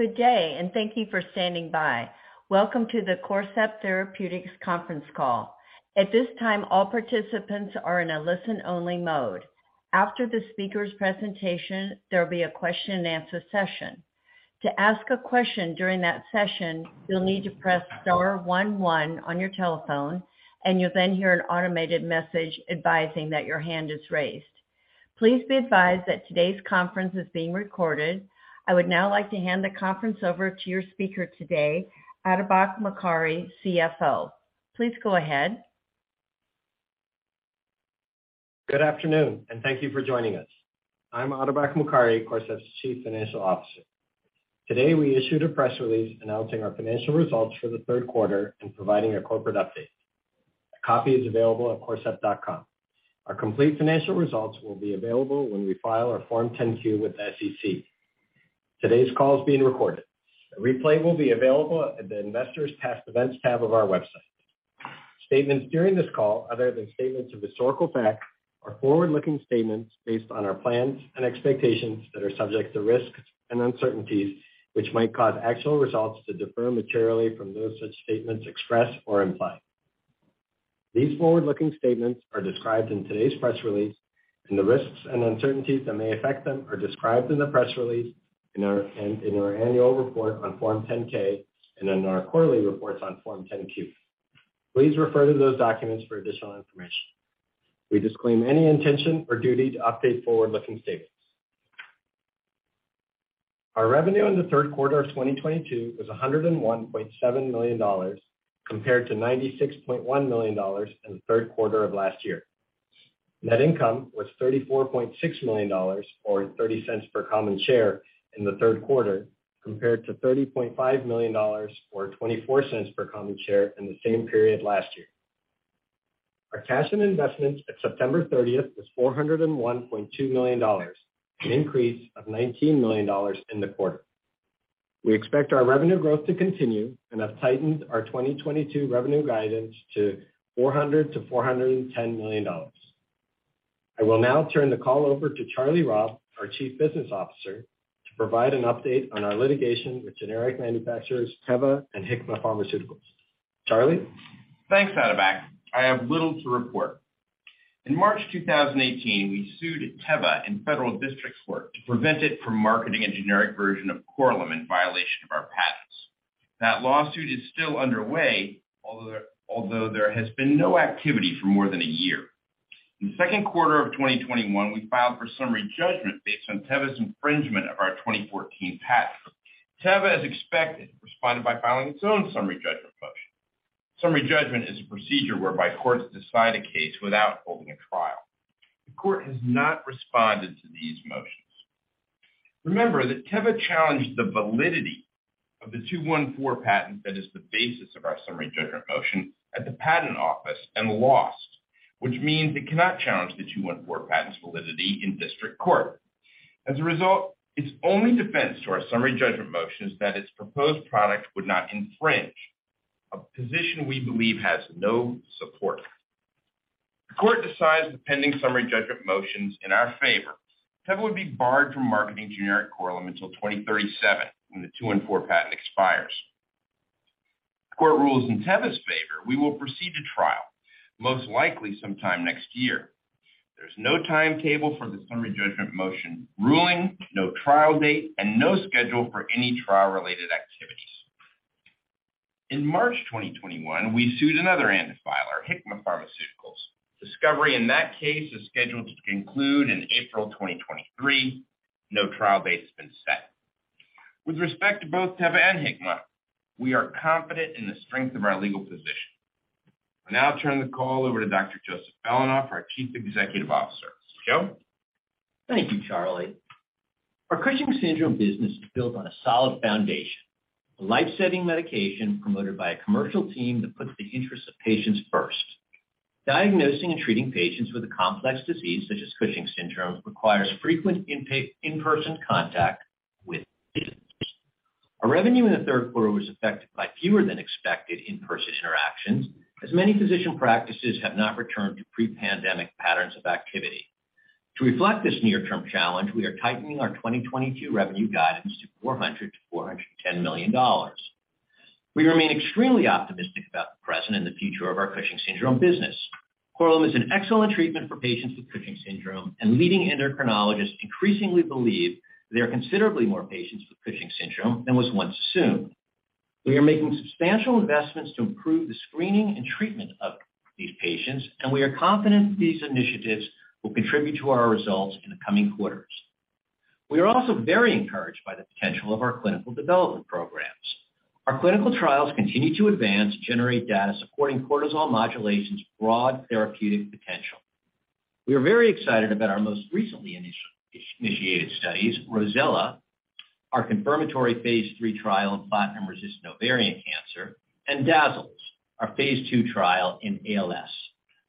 Good day, and thank you for standing by. Welcome to the Corcept Therapeutics conference call. At this time, all participants are in a listen-only mode. After the speaker's presentation, there will be a question-and-answer session. To ask a question during that session, you'll need to press star one one on your telephone, and you'll then hear an automated message advising that your hand is raised. Please be advised that today's conference is being recorded. I would now like to hand the conference over to your speaker today, Atabak Mokari, CFO. Please go ahead. Good afternoon, and thank you for joining us. I'm Atabak Mokari, Corcept's Chief Financial Officer. Today, we issued a press release announcing our financial results for the third quarter and providing a corporate update. A copy is available at corcept.com. Our complete financial results will be available when we file our Form 10-Q with the SEC. Today's call is being recorded. A replay will be available at the Investors Past Events tab of our website. Statements during this call, other than statements of historical fact, are forward-looking statements based on our plans and expectations that are subject to risks and uncertainties, which might cause actual results to differ materially from those such statements expressed or implied. These forward-looking statements are described in today's press release, and the risks and uncertainties that may affect them are described in the press release, in our annual report on Form 10-K and in our quarterly reports on Form 10-Q. Please refer to those documents for additional information. We disclaim any intention or duty to update forward-looking statements. Our revenue in the third quarter of 2022 was $101.7 million compared to $96.1 million in the third quarter of last year. Net income was $34.6 million or $0.30 per common share in the third quarter compared to $30.5 million or $0.24 per common share in the same period last year. Our cash and investments at September 30th was $401.2 million, an increase of $19 million in the quarter. We expect our revenue growth to continue and have tightened our 2022 revenue guidance to $400-$410 million. I will now turn the call over to Charlie Robb, our Chief Business Officer, to provide an update on our litigation with generic manufacturers Teva and Hikma Pharmaceuticals. Charlie? Thanks, Atabak. I have little to report. In March 2018, we sued Teva in federal district court to prevent it from marketing a generic version of Korlym in violation of our patents. That lawsuit is still underway, although there has been no activity for more than a year. In the second quarter of 2021, we filed for summary judgment based on Teva's infringement of our 2014 patent. Teva, as expected, responded by filing its own summary judgment motion. Summary judgment is a procedure whereby courts decide a case without holding a trial. The court has not responded to these motions. Remember that Teva challenged the validity of the '214 patent that is the basis of our summary judgment motion at the Patent Office and lost, which means it cannot challenge the '214 patent's validity in district court. As a result, its only defense to our summary judgment motion is that its proposed product would not infringe, a position we believe has no support. If the court decides the pending summary judgment motions in our favor, Teva would be barred from marketing generic Korlym until 2037 when the '214 patent expires. If the court rules in Teva's favor, we will proceed to trial, most likely sometime next year. There's no timetable for the summary judgment motion ruling, no trial date, and no schedule for any trial-related activities. In March 2021, we sued another ANDA filer, Hikma Pharmaceuticals. Discovery in that case is scheduled to conclude in April 2023. No trial date has been set. With respect to both Teva and Hikma, we are confident in the strength of our legal position. I'll now turn the call over to Dr. Joseph Belanoff, our Chief Executive Officer. Joe? Thank you, Charlie. Our Cushing's syndrome business is built on a solid foundation, a life-saving medication promoted by a commercial team that puts the interests of patients first. Diagnosing and treating patients with a complex disease such as Cushing's syndrome requires frequent in-person contact with patients. Our revenue in the third quarter was affected by fewer than expected in-person interactions, as many physician practices have not returned to pre-pandemic patterns of activity. To reflect this near-term challenge, we are tightening our 2022 revenue guidance to $400 million-$410 million. We remain extremely optimistic about the present and the future of our Cushing's syndrome business. Korlym is an excellent treatment for patients with Cushing's syndrome, and leading endocrinologists increasingly believe there are considerably more patients with Cushing's syndrome than was once assumed. We are making substantial investments to improve the screening and treatment of these patients, and we are confident these initiatives will contribute to our results in the coming quarters. We are also very encouraged by the potential of our clinical development programs. Our clinical trials continue to advance, generate data supporting cortisol modulation's broad therapeutic potential. We are very excited about our most recently initiated studies, ROSELLA, our confirmatory phase III trial in platinum-resistant ovarian cancer, and DAZALS, our phase II trial in ALS.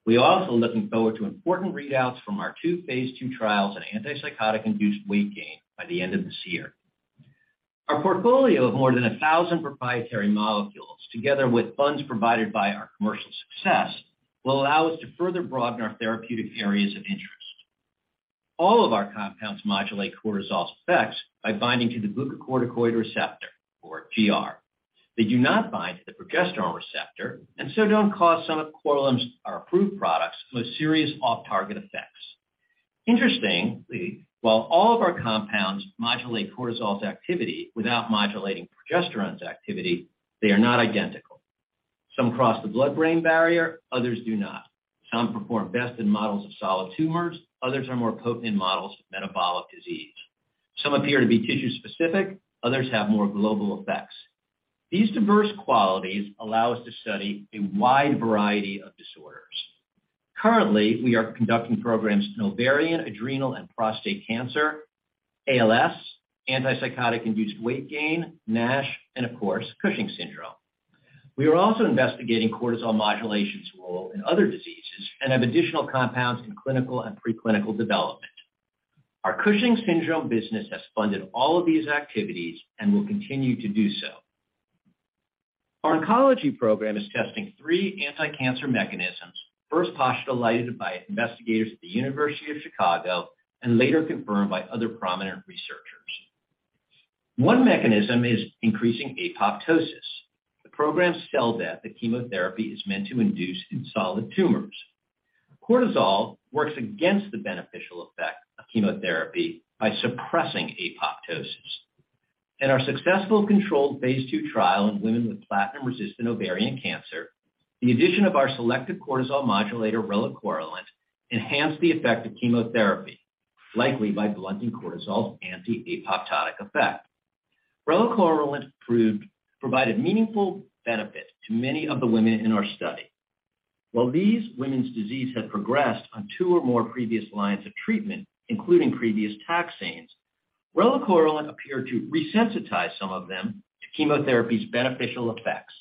We are also looking forward to important readouts from our two phase II trials in antipsychotic-induced weight gain by the end of this year. Our portfolio of more than 1,000 proprietary molecules, together with funds provided by our commercial success, will allow us to further broaden our therapeutic areas of interest. All of our compounds modulate cortisol's effects by binding to the glucocorticoid receptor or GR. They do not bind to the progesterone receptor and so don't cause some of Korlym's, our approved products, most serious off-target effects. Interestingly, while all of our compounds modulate cortisol's activity without modulating progesterone's activity, they are not identical. Some cross the blood-brain barrier, others do not. Some perform best in models of solid tumors, others are more potent in models of metabolic disease. Some appear to be tissue-specific, others have more global effects. These diverse qualities allow us to study a wide variety of disorders. Currently, we are conducting programs in ovarian, adrenal, and prostate cancer, ALS, antipsychotic-induced weight gain, NASH, and of course, Cushing's syndrome. We are also investigating cortisol modulation's role in other diseases and have additional compounds in clinical and pre-clinical development. Our Cushing's syndrome business has funded all of these activities and will continue to do so. Our oncology program is testing three anti-cancer mechanisms, first postulated by investigators at the University of Chicago and later confirmed by other prominent researchers. One mechanism is increasing apoptosis. The programmed cell death that chemotherapy is meant to induce in solid tumors. Cortisol works against the beneficial effect of chemotherapy by suppressing apoptosis. In our successful controlled phase II trial in women with platinum-resistant ovarian cancer, the addition of our selective cortisol modulator relacorilant enhanced the effect of chemotherapy, likely by blunting cortisol's anti-apoptotic effect. Relacorilant provided meaningful benefit to many of the women in our study. While these women's disease had progressed on two or more previous lines of treatment, including previous taxanes, relacorilant appeared to resensitize some of them to chemotherapy's beneficial effects.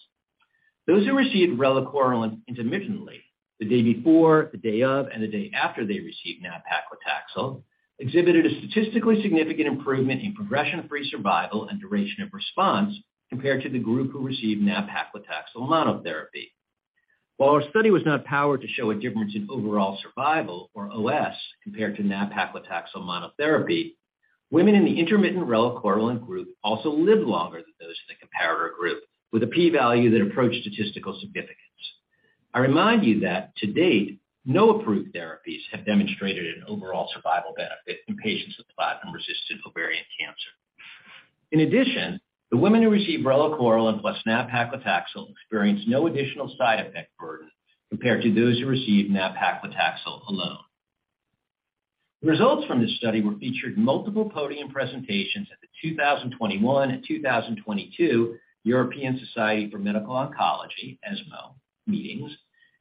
Those who received relacorilant intermittently, the day before, the day of, and the day after they received nab-paclitaxel, exhibited a statistically significant improvement in progression-free survival and duration of response compared to the group who received nab-paclitaxel monotherapy. While our study was not powered to show a difference in overall survival or OS compared to nab-paclitaxel monotherapy, women in the intermittent relacorilant group also lived longer than those in the comparator group with a p-value that approached statistical significance. I remind you that to date, no approved therapies have demonstrated an overall survival benefit in patients with platinum-resistant ovarian cancer. In addition, the women who received relacorilant plus nab-paclitaxel experienced no additional side effect burden compared to those who received nab-paclitaxel alone. The results from this study were featured in multiple podium presentations at the 2021 and 2022 European Society for Medical Oncology, ESMO meetings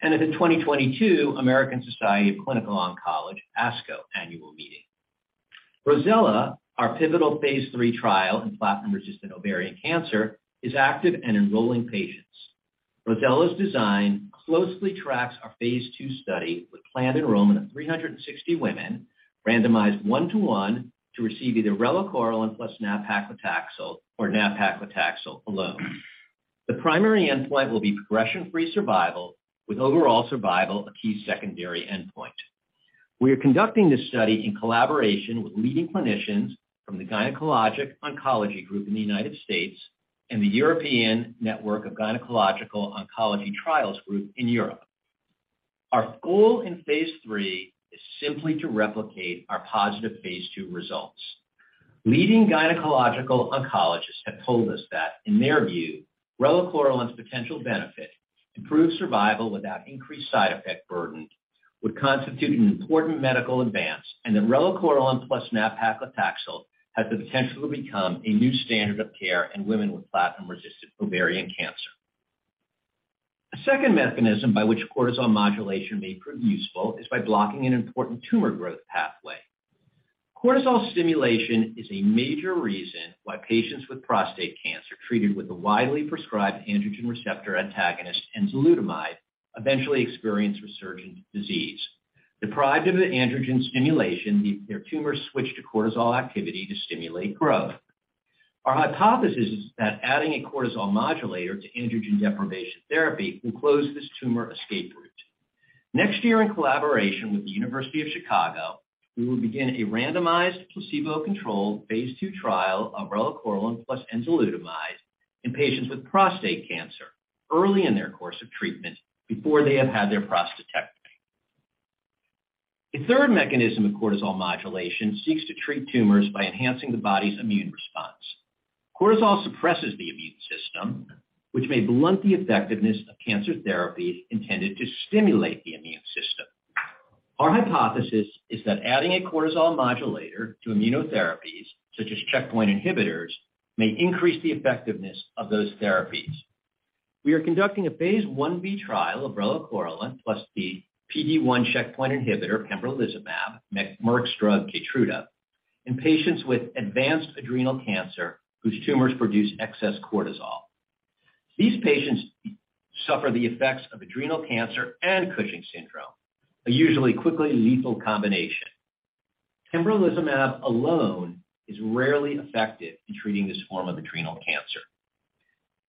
and at the 2022 American Society of Clinical Oncology, ASCO annual meeting. ROSELLA, our pivotal phase III trial in platinum-resistant ovarian cancer, is active and enrolling patients. ROSELLA's design closely tracks our phase II study with planned enrollment of 360 women randomized 1:1 to receive either relacorilant plus nab-paclitaxel or nab-paclitaxel alone. The primary endpoint will be progression-free survival with overall survival a key secondary endpoint. We are conducting this study in collaboration with leading clinicians from the Gynecologic Oncology Group in the United States and the European Network of Gynecological Oncological Trial Groups in Europe. Our goal in phase III is simply to replicate our positive phase II results. Leading gynecologic oncologists have told us that in their view, relacorilant's potential benefit, improved survival without increased side effect burden, would constitute an important medical advance, and that relacorilant plus nab-paclitaxel has the potential to become a new standard of care in women with platinum-resistant ovarian cancer. A second mechanism by which cortisol modulation may prove useful is by blocking an important tumor growth pathway. Cortisol stimulation is a major reason why patients with prostate cancer treated with the widely prescribed androgen receptor antagonist enzalutamide eventually experience resurgent disease. Deprived of the androgen stimulation, their tumors switch to cortisol activity to stimulate growth. Our hypothesis is that adding a cortisol modulator to androgen deprivation therapy will close this tumor escape route. Next year, in collaboration with the University of Chicago, we will begin a randomized placebo-controlled phase II trial of relacorilant plus enzalutamide in patients with prostate cancer early in their course of treatment before they have had their prostatectomy. A third mechanism of cortisol modulation seeks to treat tumors by enhancing the body's immune response. Cortisol suppresses the immune system, which may blunt the effectiveness of cancer therapies intended to stimulate the immune system. Our hypothesis is that adding a cortisol modulator to immunotherapies such as checkpoint inhibitors may increase the effectiveness of those therapies. We are conducting a phase I-B trial of relacorilant plus the PD-1 checkpoint inhibitor pembrolizumab, Merck's drug Keytruda, in patients with advanced adrenal cancer whose tumors produce excess cortisol. These patients suffer the effects of adrenal cancer and Cushing's syndrome, a usually quickly lethal combination. Pembrolizumab alone is rarely effective in treating this form of adrenal cancer.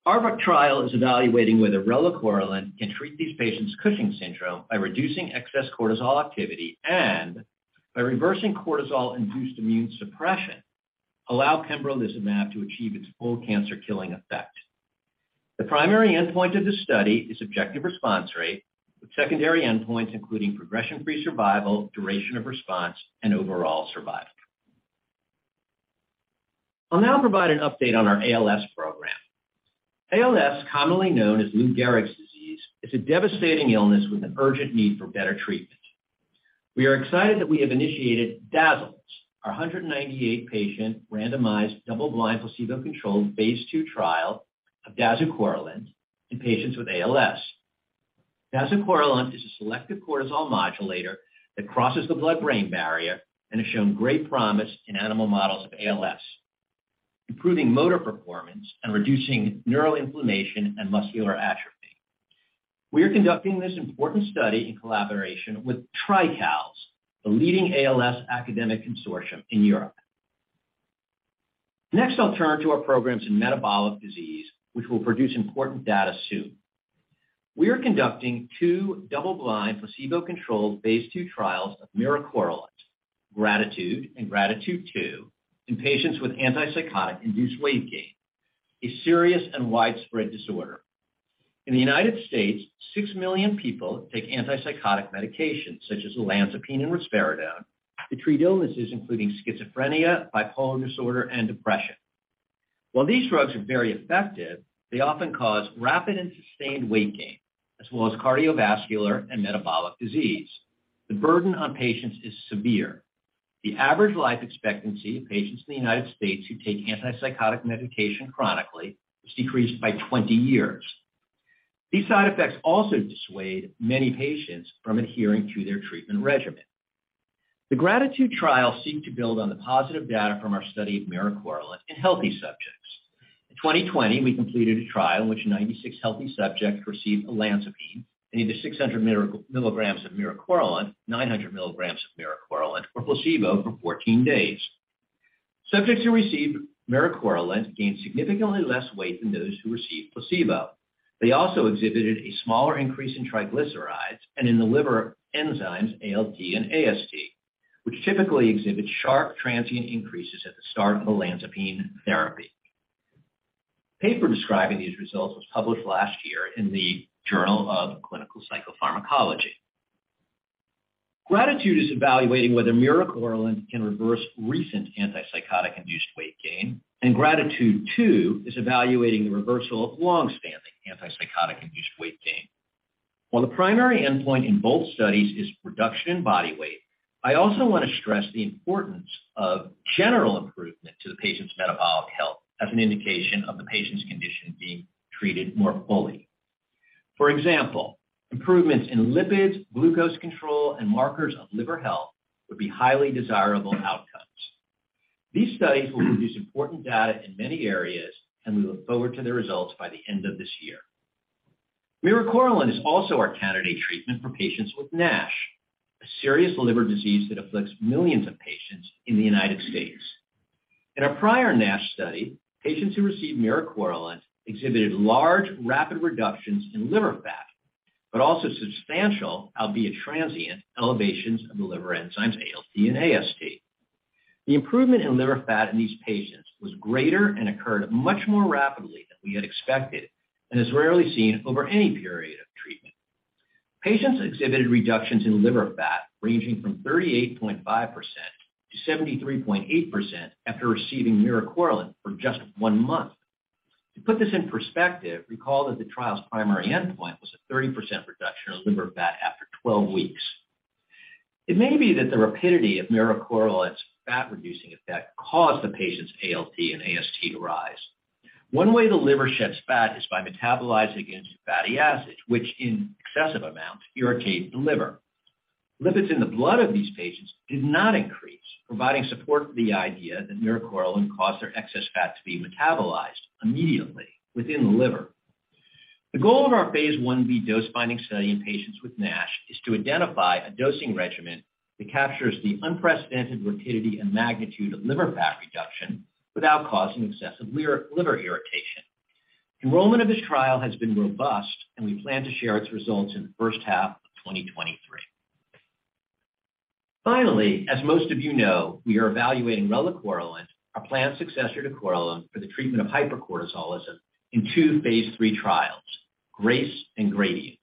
Our trial is evaluating whether relacorilant can treat these patients' Cushing's syndrome by reducing excess cortisol activity and by reversing cortisol-induced immune suppression, allowing pembrolizumab to achieve its full cancer-killing effect. The primary endpoint of this study is objective response rate, with secondary endpoints including progression-free survival, duration of response, and overall survival. I'll now provide an update on our ALS program. ALS, commonly known as Lou Gehrig's disease, is a devastating illness with an urgent need for better treatment. We are excited that we have initiated DAZALS, our 198-patient, randomized, double-blind, placebo-controlled phase III trial of dazucorilant in patients with ALS. Dazucorilant is a selective cortisol modulator that crosses the blood-brain barrier and has shown great promise in animal models of ALS, improving motor performance and reducing neural inflammation and muscular atrophy. We are conducting this important study in collaboration with TRICALS, the leading ALS academic consortium in Europe. Next, I'll turn to our programs in metabolic disease, which will produce important data soon. We are conducting two double-blind, placebo-controlled phase II trials of miricorilant, GRATITUDE and GRATITUDE II, in patients with antipsychotic-induced weight gain, a serious and widespread disorder. In the United States, six million people take antipsychotic medications such as olanzapine and risperidone to treat illnesses including schizophrenia, bipolar disorder, and depression. While these drugs are very effective, they often cause rapid and sustained weight gain as well as cardiovascular and metabolic disease. The burden on patients is severe. The average life expectancy of patients in the United States who take antipsychotic medication chronically is decreased by 20 years. These side effects also dissuade many patients from adhering to their treatment regimen. The GRATITUDE trial sought to build on the positive data from our study of miricorilant in healthy subjects. In 2020, we completed a trial in which 96 healthy subjects received olanzapine and either 600 milligrams of miricorilant, 900 milligrams of miricorilant or placebo for 14 days. Subjects who received miricorilant gained significantly less weight than those who received placebo. They also exhibited a smaller increase in triglycerides and in the liver enzymes ALT and AST, which typically exhibit sharp transient increases at the start of olanzapine therapy. Paper describing these results was published last year in the Journal of Clinical Psychopharmacology. GRATITUDE is evaluating whether miricorilant can reverse recent antipsychotic-induced weight gain, and GRATITUDE II is evaluating the reversal of long-standing antipsychotic-induced weight gain. While the primary endpoint in both studies is reduction in body weight, I also want to stress the importance of general improvement to the patient's metabolic health as an indication of the patient's condition being treated more fully. For example, improvements in lipids, glucose control, and markers of liver health would be highly desirable outcomes. These studies will produce important data in many areas, and we look forward to their results by the end of this year. Miricorilant is also our candidate treatment for patients with NASH, a serious liver disease that afflicts millions of patients in the United States. In our prior NASH study, patients who received miricorilant exhibited large rapid reductions in liver fat, but also substantial, albeit transient, elevations of the liver enzymes ALT and AST. The improvement in liver fat in these patients was greater and occurred much more rapidly than we had expected and is rarely seen over any period of treatment. Patients exhibited reductions in liver fat ranging from 38.5%-73.8% after receiving miricorilant for just 1 month. To put this in perspective, recall that the trial's primary endpoint was a 30% reduction in liver fat after 12 weeks. It may be that the rapidity of miricorilant's fat-reducing effect caused the patient's ALT and AST to rise. One way the liver sheds fat is by metabolizing into fatty acids, which in excessive amounts irritate the liver. Lipids in the blood of these patients did not increase, providing support for the idea that miricorilant caused their excess fat to be metabolized immediately within the liver. The goal of our phase I-B dose-finding study in patients with NASH is to identify a dosing regimen that captures the unprecedented rapidity and magnitude of liver fat reduction without causing excessive liver irritation. Enrollment of this trial has been robust, and we plan to share its results in the first half of 2023. Finally, as most of you know, we are evaluating relacorilant, our planned successor to Korlym, for the treatment of hypercortisolism in two phase III trials, GRACE and GRADIENT.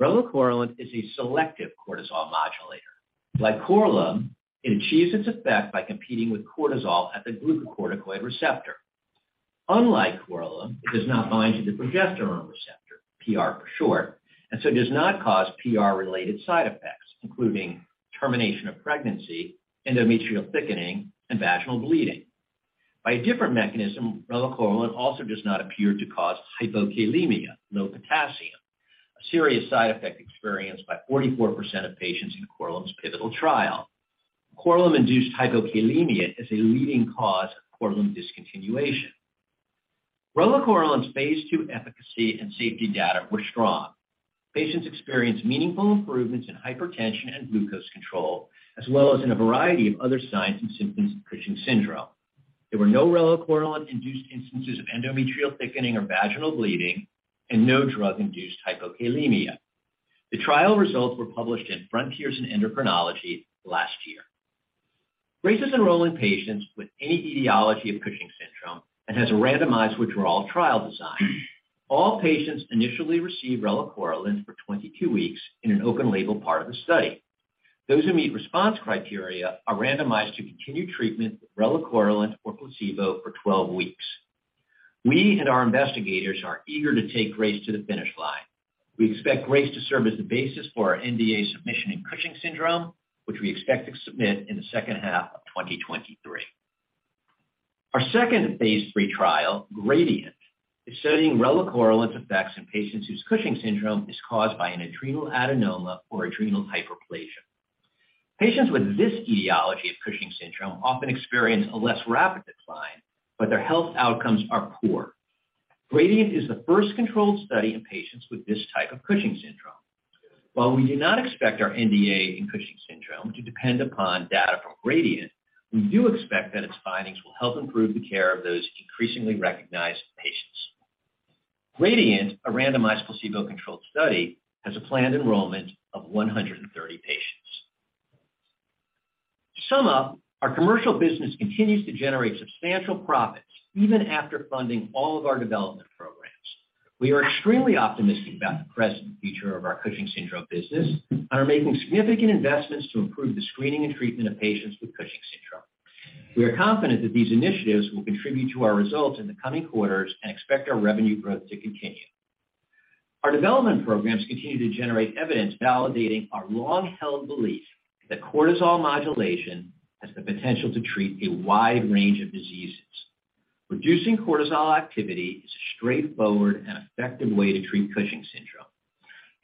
Relacorilant is a selective cortisol modulator. Like Korlym, it achieves its effect by competing with cortisol at the glucocorticoid receptor. Unlike Korlym, it does not bind to the progesterone receptor, PR for short, and so does not cause PR-related side effects, including termination of pregnancy, endometrial thickening, and vaginal bleeding. By a different mechanism, relacorilant also does not appear to cause hypokalemia, low potassium, a serious side effect experienced by 44% of patients in Korlym's pivotal trial. Korlym-induced hypokalemia is a leading cause of Korlym discontinuation. Relacorilant's phase II efficacy and safety data were strong. Patients experienced meaningful improvements in hypertension and glucose control, as well as in a variety of other signs and symptoms of Cushing's syndrome. There were no relacorilant-induced instances of endometrial thickening or vaginal bleeding and no drug-induced hypokalemia. The trial results were published in Frontiers in Endocrinology last year. GRACE is enrolling patients with any etiology of Cushing's syndrome and has a randomized withdrawal trial design. All patients initially receive relacorilant for 22 weeks in an open-label part of the study. Those who meet response criteria are randomized to continue treatment with relacorilant or placebo for 12 weeks. We and our investigators are eager to take RACE to the finish line. We expect RACE to serve as the basis for our NDA submission in Cushing's syndrome, which we expect to submit in the second half of 2023. Our second phase III trial, GRADIENT, is studying relacorilant's effects in patients whose Cushing's syndrome is caused by an adrenal adenoma or adrenal hyperplasia. Patients with this etiology of Cushing's syndrome often experience a less rapid decline, but their health outcomes are poor. GRADIENT is the first controlled study in patients with this type of Cushing's syndrome. While we do not expect our NDA in Cushing's syndrome to depend upon data from GRADIENT, we do expect that its findings will help improve the care of those increasingly recognized patients. GRADIENT, a randomized placebo-controlled study, has a planned enrollment of 130 patients. To sum up, our commercial business continues to generate substantial profits even after funding all of our development programs. We are extremely optimistic about the present and future of our Cushing's syndrome business and are making significant investments to improve the screening and treatment of patients with Cushing's syndrome. We are confident that these initiatives will contribute to our results in the coming quarters and expect our revenue growth to continue. Our development programs continue to generate evidence validating our long-held belief that cortisol modulation has the potential to treat a wide range of diseases. Reducing cortisol activity is a straightforward and effective way to treat Cushing's syndrome.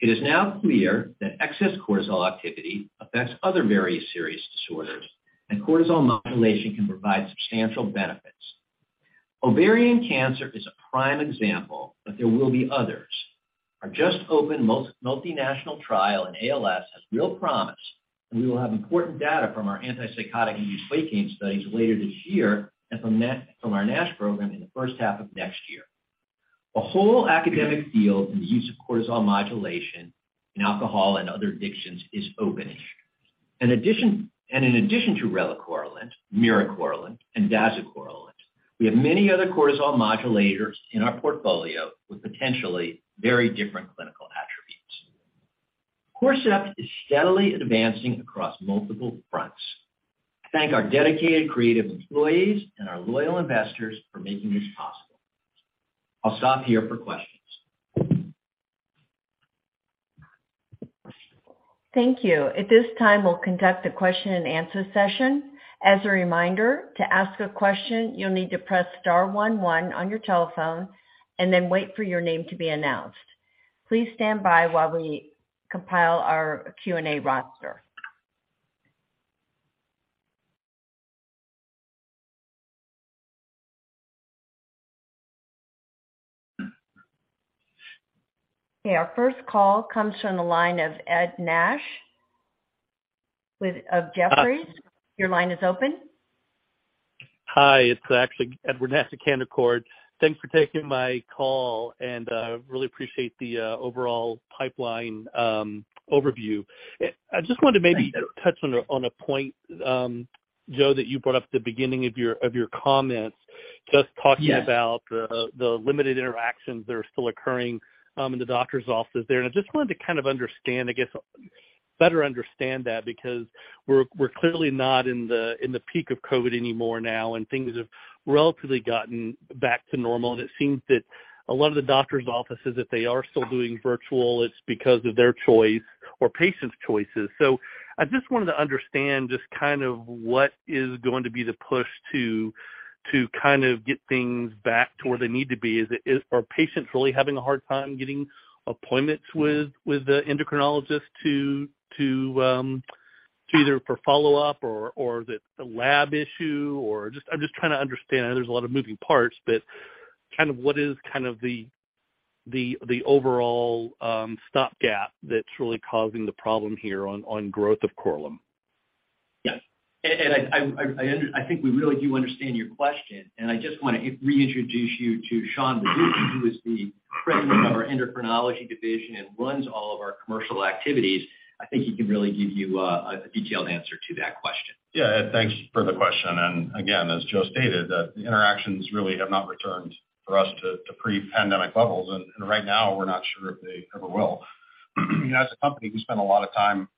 It is now clear that excess cortisol activity affects other various serious disorders, and cortisol modulation can provide substantial benefits. Ovarian cancer is a prime example, but there will be others. Our just-opened multinational trial in ALS has real promise, and we will have important data from our antipsychotic-induced weight gain studies later this year and from our NASH program in the first half of next year. A whole academic field in the use of cortisol modulation in alcohol and other addictions is opening. In addition to relacorilant, miricorilant, and dazucorilant, we have many other cortisol modulators in our portfolio with potentially very different clinical attributes. Corcept is steadily advancing across multiple fronts. I thank our dedicated, creative employees and our loyal investors for making this possible. I'll stop here for questions. Thank you. At this time, we'll conduct a question-and-answer session. As a reminder, to ask a question, you'll need to press star one one on your telephone and then wait for your name to be announced. Please stand by while we compile our Q&A roster. Okay. Our first call comes from the line of Ed Nash with Jefferies. Your line is open. Hi, it's actually Edward Nash of Canaccord. Thanks for taking my call, and really appreciate the overall pipeline overview. I just wanted to maybe touch on a point, Joe, that you brought up at the beginning of your comments, just talking- Yes. About the limited interactions that are still occurring in the doctor's office there. I just wanted to kind of understand, I guess, better understand that because we're clearly not in the peak of COVID anymore now, and things have relatively gotten back to normal. It seems that a lot of the doctor's offices, if they are still doing virtual, it's because of their choice or patients' choices. I just wanted to understand just kind of what is going to be the push to kind of get things back to where they need to be. Are patients really having a hard time getting appointments with the endocrinologist to either for follow-up or is it a lab issue or just. I'm just trying to understand. I know there's a lot of moving parts, but kind of what is kind of the overall stopgap that's really causing the problem here on growth of Korlym? Yes. Ed, I think we really do understand your question, and I just wanna reintroduce you to Sean Maduck, who is the President of our endocrinology division and runs all of our commercial activities. I think he can really give you a detailed answer to that question. Yeah, Ed, thanks for the question. Again, as Joe stated, the interactions really have not returned for us to pre-pandemic levels. Right now, we're not sure if they ever will. You know, as a company, we spend a lot of time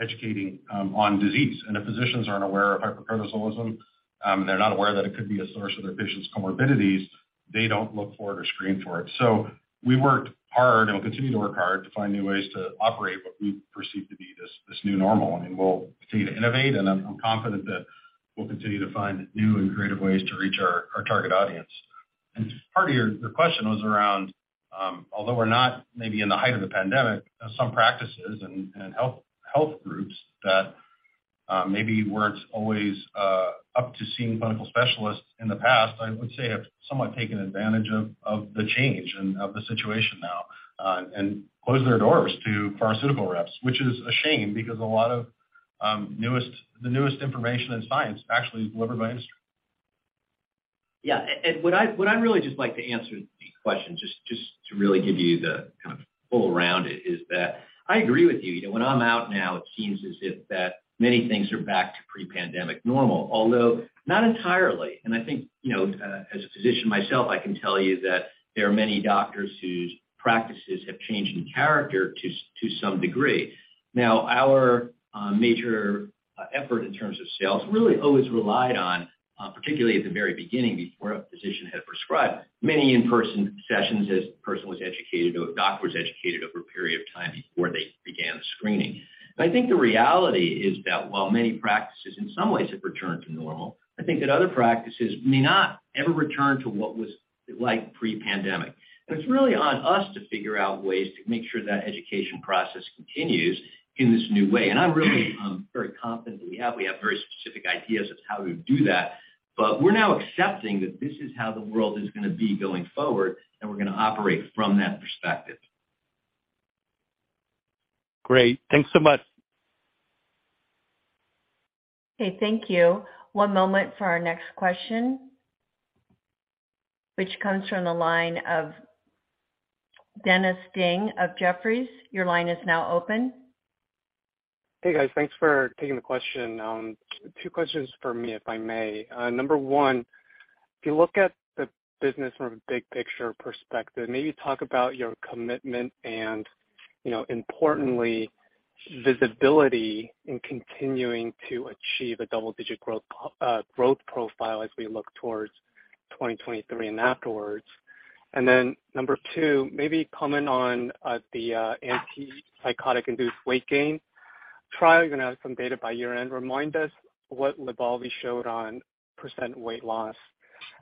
educating on disease. If physicians aren't aware of hypercortisolism, they're not aware that it could be a source of their patients' comorbidities, they don't look for it or screen for it. We worked hard and will continue to work hard to find new ways to operate what we perceive to be this new normal. I mean, we'll continue to innovate, and I'm confident that we'll continue to find new and creative ways to reach our target audience. Part of your question was around, although we're not maybe in the height of the pandemic, some practices and health groups that maybe weren't always up to seeing clinical specialists in the past. I would say, they have somewhat taken advantage of the change and of the situation now and close their doors to pharmaceutical reps, which is a shame because a lot of the newest information in science actually is delivered by industry. What I'd really just like to answer these questions just to really give you the kind of full rundown is that I agree with you. You know, when I'm out now, it seems as if many things are back to pre-pandemic normal, although not entirely. I think, you know, as a physician myself, I can tell you that there are many doctors whose practices have changed in character to some degree. Now, our major effort in terms of sales really always relied on, particularly at the very beginning before a physician had prescribed, many in-person sessions. This person was educated or a doctor was educated over a period of time before they began screening. I think the reality is that while many practices in some ways have returned to normal, I think that other practices may not ever return to what was like pre-pandemic. It's really on us to figure out ways to make sure that education process continues in this new way. I'm really, very confident that we have. We have very specific ideas of how to do that, but we're now accepting that this is how the world is gonna be going forward, and we're gonna operate from that perspective. Great. Thanks so much. Okay, thank you. One moment for our next question, which comes from the line of Dennis Ding of Jefferies. Your line is now open. Hey, guys. Thanks for taking the question. Two questions for me, if I may. Number one, if you look at the business from a big picture perspective, maybe talk about your commitment and, you know, importantly, visibility in continuing to achieve a double-digit growth profile as we look towards 2023 and afterwards. Number two, maybe comment on the antipsychotic-induced weight gain trial. You're gonna have some data by year-end. Remind us what Lybalvi showed on % weight loss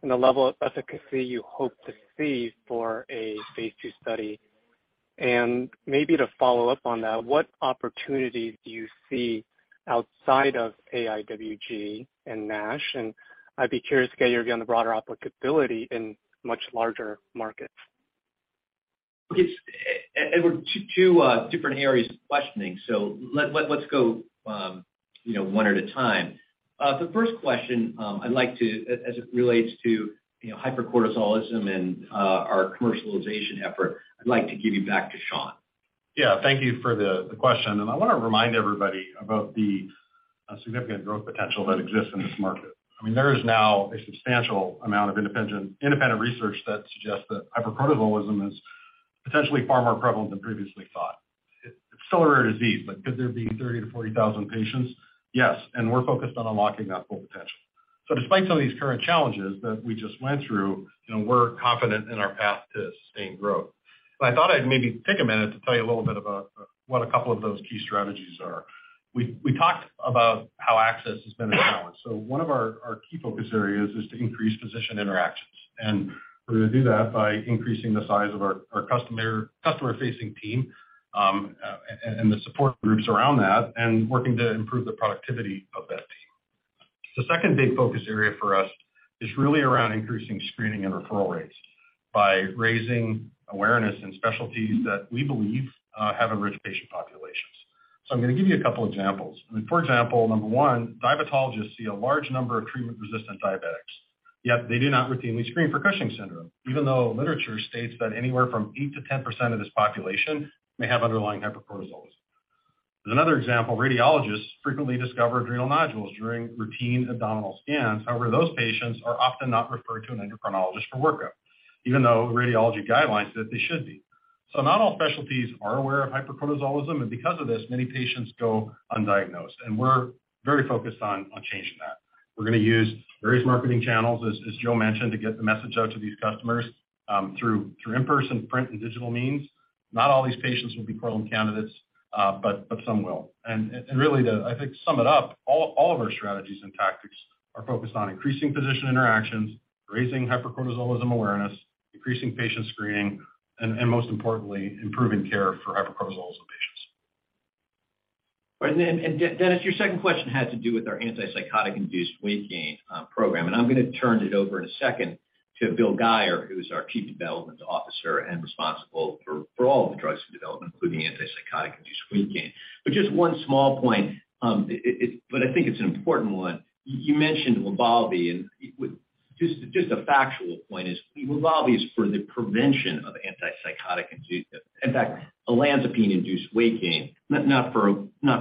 and the level of efficacy you hope to see for a phase II study. Maybe to follow up on that, what opportunities do you see outside of AIWG and NASH? I'd be curious to get your view on the broader applicability in much larger markets. There are two different areas of questioning, so let's go, you know, one at a time. The first question, I'd like to, as it relates to, you know, hypercortisolism and our commercialization effort, I'd like to give you back to Sean. Yeah. Thank you for the question. I wanna remind everybody about the significant growth potential that exists in this market. I mean, there is now a substantial amount of independent research that suggests that hypercortisolism is potentially far more prevalent than previously thought. It's still a rare disease, but could there be 30,000-40,000 patients? Yes, and we're focused on unlocking that full potential. Despite some of these current challenges that we just went through, you know, we're confident in our path to sustained growth. I thought I'd maybe take a minute to tell you a little bit about what a couple of those key strategies are. We talked about how access has been a challenge. One of our key focus areas is to increase physician interactions. We're gonna do that by increasing the size of our customer-facing team and the support groups around that and working to improve the productivity of that team. The second big focus area for us is really around increasing screening and referral rates by raising awareness in specialties that we believe have at-risk patient populations. I'm gonna give you a couple examples. I mean, for example, number one, dermatologists see a large number of treatment-resistant diabetics, yet they do not routinely screen for Cushing's syndrome, even though literature states that anywhere from 8%-10% of this population may have underlying hypercortisolism. There's another example. Radiologists frequently discover adrenal nodules during routine abdominal scans. However, those patients are often not referred to an endocrinologist for workup, even though radiology guidelines said they should be. Not all specialties are aware of hypercortisolism, and because of this, many patients go undiagnosed, and we're very focused on changing that. We're gonna use various marketing channels, as Joe mentioned, to get the message out to these customers, through in-person, print and digital means. Not all these patients will be probable candidates, but some will. Really to, I think, sum it up, all of our strategies and tactics are focused on increasing physician interactions, raising hypercortisolism awareness, increasing patient screening, and most importantly, improving care for hypercortisolism patients. Right. Dennis, your second question had to do with our antipsychotic-induced weight gain program, and I'm gonna turn it over in a second to Bill Guyer, who's our Chief Development Officer and responsible for all the drugs in development, including antipsychotic-induced weight gain. Just one small point. I think it's an important one. You mentioned Lybalvi, and with just a factual point, Lybalvi is for the prevention of antipsychotic-induced, in fact, olanzapine-induced weight gain, not for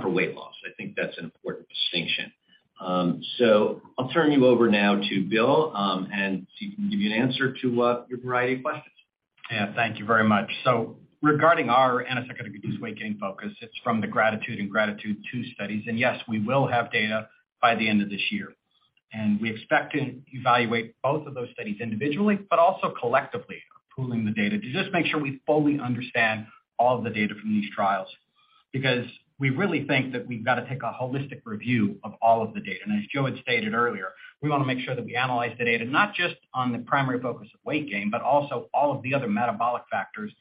weight loss. I think that's an important distinction. I'll turn you over now to Bill and see if he can give you an answer to your variety of questions. Yeah. Thank you very much. Regarding our antipsychotic-induced weight gain focus, it's from the GRATITUDE and GRATITUDE II studies. Yes, we will have data by the end of this year. We expect to evaluate both of those studies individually, but also collectively pooling the data to just make sure we fully understand all the data from these trials. Because we really think that we've got to take a holistic review of all of the data. As Joe had stated earlier, we wanna make sure that we analyze the data not just on the primary focus of weight gain, but also all of the other metabolic factors.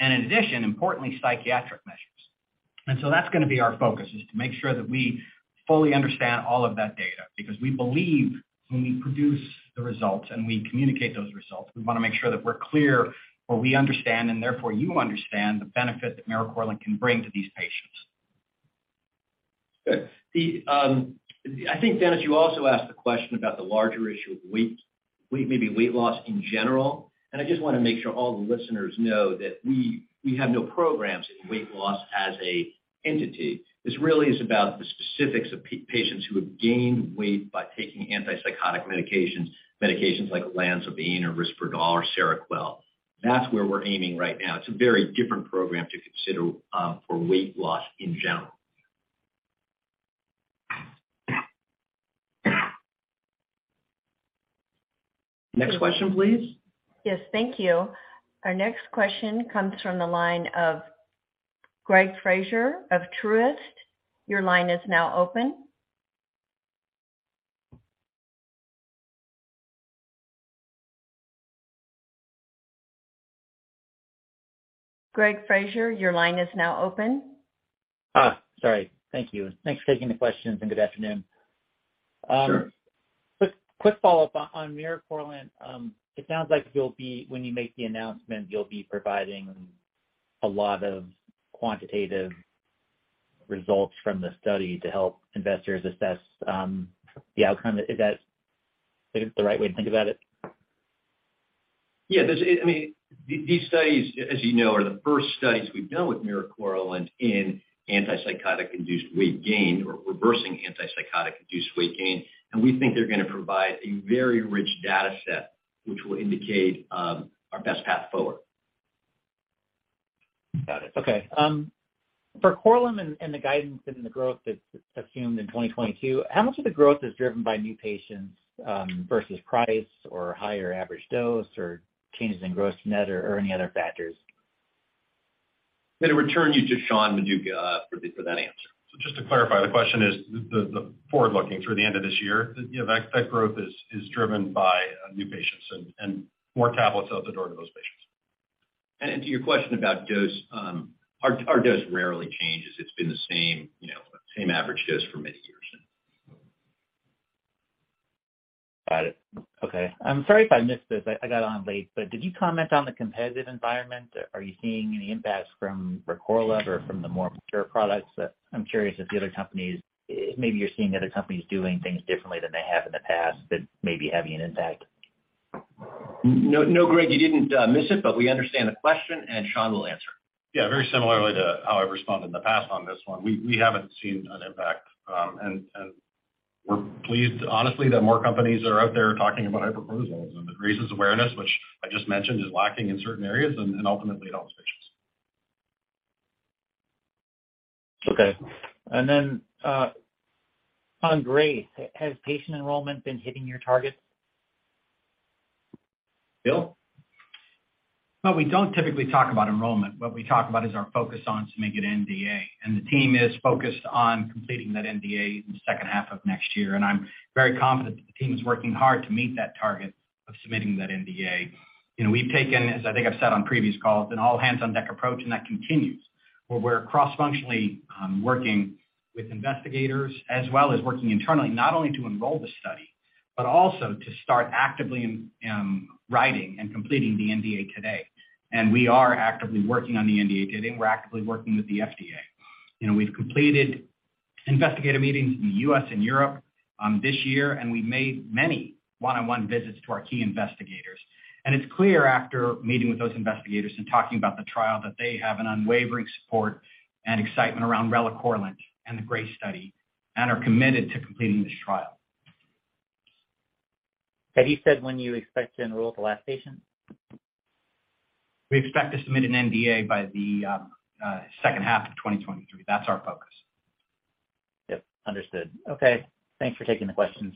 In addition, importantly, psychiatric measures. That's gonna be our focus, is to make sure that we fully understand all of that data because we believe when we produce the results and we communicate those results, we wanna make sure that we're clear or we understand, and therefore you understand the benefit that miricorilant can bring to these patients. Good. I think, Dennis, you also asked the question about the larger issue of weight, maybe weight loss in general. I just wanna make sure all the listeners know that we have no programs in weight loss as a entity. This really is about the specifics of patients who have gained weight by taking antipsychotic medications like olanzapine or Risperdal or Seroquel. That's where we're aiming right now. It's a very different program to consider for weight loss in general. Next question, please. Yes, thank you. Our next question comes from the line of Greg Fraser of Truist. Your line is now open. Greg Fraser, your line is now open. Sorry. Thank you. Thanks for taking the questions, and good afternoon. Sure. Quick follow-up on miricorilant. It sounds like when you make the announcement, you'll be providing a lot of quantitative results from the study to help investors assess the outcome. Is that sort of the right way to think about it? Yeah. There's, I mean, these studies, as you know, are the first studies we've done with miricorilant in antipsychotic-induced weight gain or reversing antipsychotic-induced weight gain. We think they're gonna provide a very rich data set which will indicate our best path forward. Got it. Okay. For Korlym and the guidance and the growth that's assumed in 2022, how much of the growth is driven by new patients versus price or higher average dose or changes in gross-to-net or any other factors? I'm gonna return you to Sean Maduck for that answer. Just to clarify, the question is the forward-looking through the end of this year, you know, that type growth is driven by new patients and more tablets out the door to those patients. To your question about dose, our dose rarely changes. It's been the same, you know, same average dose for many years. Got it. Okay. I'm sorry if I missed this. I got on late, but did you comment on the competitive environment? Are you seeing any impacts from Recorlev or from the more mature products? I'm curious if the other companies maybe you're seeing other companies doing things differently than they have in the past that may be having an impact. No, no, Greg, you didn't miss it, but we understand the question, and Sean will answer. Yeah, very similarly to how I've responded in the past on this one. We haven't seen an impact, and we're pleased, honestly, that more companies are out there talking about hypercortisolism. It raises awareness, which I just mentioned is lacking in certain areas and ultimately it helps patients. Okay. On GRACE, has patient enrollment been hitting your targets? Bill? Well, we don't typically talk about enrollment. What we talk about is our focus on submitting an NDA, and the team is focused on completing that NDA in the second half of next year. I'm very confident that the team is working hard to meet that target of submitting that NDA. You know, we've taken, as I think I've said on previous calls, an all-hands-on-deck approach, and that continues, where we're cross-functionally working with investigators as well as working internally, not only to enroll the study, but also to start actively writing and completing the NDA today. We are actively working on the NDA today, and we're actively working with the FDA. You know, we've completed investigator meetings in the U.S. and Europe this year, and we made many one-on-one visits to our key investigators. It's clear, after meeting with those investigators and talking about the trial, that they have an unwavering support and excitement around relacorilant and the GRACE study and are committed to completing this trial. Have you said when you expect to enroll the last patient? We expect to submit an NDA by the second half of 2023. That's our focus. Yep, understood. Okay, thanks for taking the questions.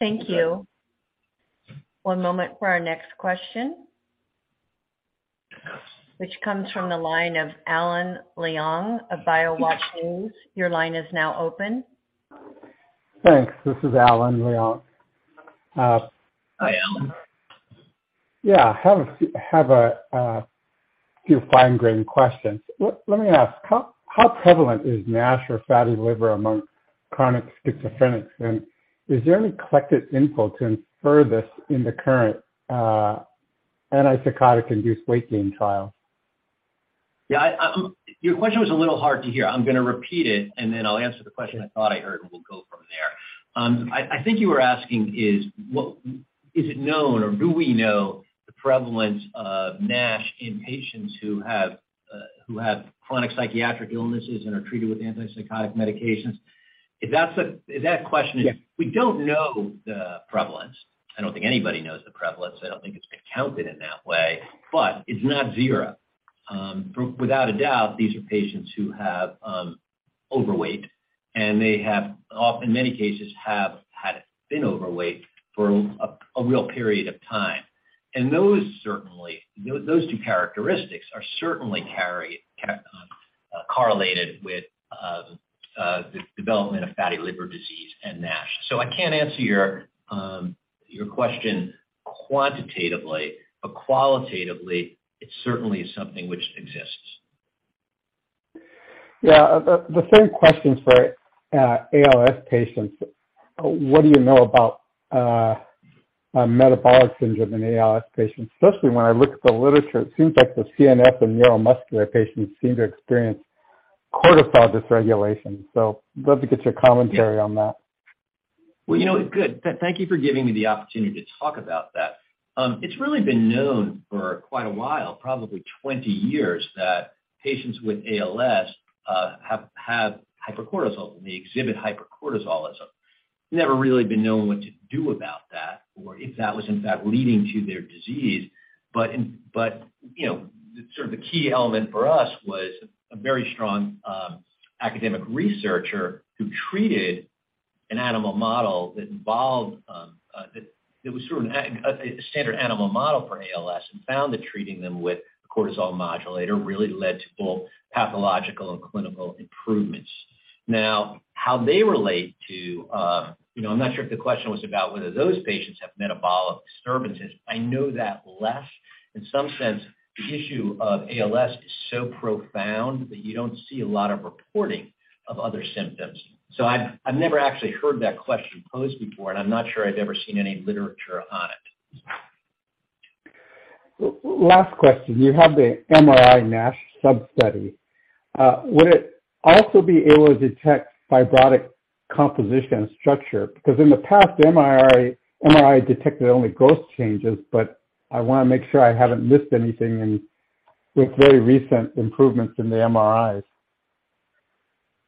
Thank you. One moment for our next question, which comes from the line of Alan Leong of BioWatch News. Your line is now open. Thanks. This is Alan Leong. Hi, Alan. Yeah, I have a few fine-grained questions. Let me ask, how prevalent is NASH or fatty liver among chronic schizophrenics? Is there any collected info to infer this in the current antipsychotic-induced weight gain trial? Yeah, your question was a little hard to hear. I'm gonna repeat it, and then I'll answer the question I thought I heard, and we'll go from there. I think you were asking is it known or do we know the prevalence of NASH in patients who have chronic psychiatric illnesses and are treated with antipsychotic medications? If that question is- Yeah. We don't know the prevalence. I don't think anybody knows the prevalence. I don't think it's been counted in that way, but it's not zero. Without a doubt, these are patients who have overweight and may have in many cases have had been overweight for a real period of time. Those two characteristics are certainly correlated with the development of fatty liver disease and NASH. I can't answer your question quantitatively, but qualitatively, it certainly is something which exists. Yeah. The same question's for ALS patients. What do you know about metabolic syndrome in ALS patients? Especially when I look at the literature, it seems like the CNS and neuromuscular patients seem to experience cortisol dysregulation. Love to get your commentary on that. Well, you know, good. Thank you for giving me the opportunity to talk about that. It's really been known for quite a while, probably 20 years, that patients with ALS have had hypercortisolism. They exhibit hypercortisolism. Never really been known what to do about that or if that was in fact leading to their disease. You know, sort of the key element for us was a very strong academic researcher who treated an animal model that was sort of a standard animal model for ALS and found that treating them with cortisol modulator really led to full pathological and clinical improvements. Now, how they relate to, you know, I'm not sure if the question was about whether those patients have metabolic disturbances. I know that less. In some sense, the issue of ALS is so profound that you don't see a lot of reporting of other symptoms. I've never actually heard that question posed before, and I'm not sure I've ever seen any literature on it. Last question. You have the MRI NASH sub-study. Would it also be able to detect fibrotic composition and structure? Because in the past, MRI detected only growth changes, but I wanna make sure I haven't missed anything in with very recent improvements in the MRIs.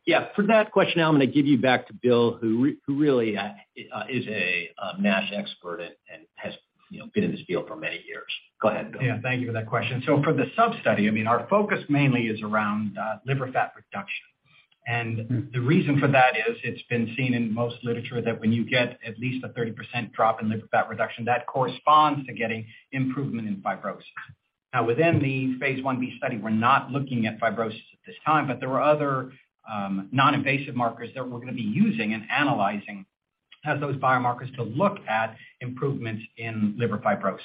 Yeah. For that question, I'm gonna give you back to Bill who really is a NASH expert and has, you know, been in this field for many years. Go ahead, Bill. Yeah. Thank you for that question. For the sub-study, I mean, our focus mainly is around, liver fat reduction. The reason for that is it's been seen in most literature that when you get at least a 30% drop in liver fat reduction, that corresponds to getting improvement in fibrosis. Now, within the phase I-B study, we're not looking at fibrosis at this time, but there are other, non-invasive markers that we're gonna be using and analyzing as those biomarkers to look at improvements in liver fibrosis.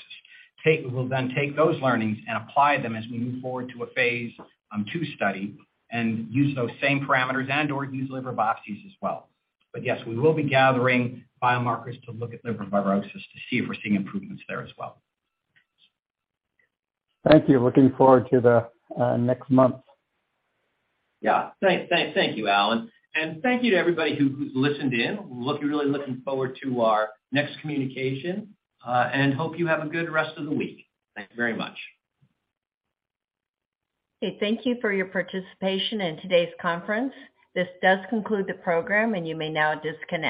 We'll then take those learnings and apply them as we move forward to a phase II study and use those same parameters and/or use liver biopsies as well. Yes, we will be gathering biomarkers to look at liver fibrosis to see if we're seeing improvements there as well. Thank you. Looking forward to the next month. Yeah. Thank you, Alan. Thank you to everybody who's listened in. Really looking forward to our next communication, and hope you have a good rest of the week. Thank you very much. Okay. Thank you for your participation in today's conference. This does conclude the program, and you may now disconnect.